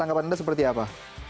anggapan anda seperti apa